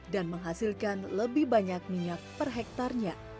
dan menghasilkan lebih banyak minyak per hektarnya